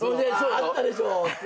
あったでしょって。